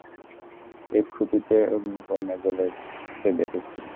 ওই খুঁতিতে অগ্নিকণা জ্বলেতে দেখছি।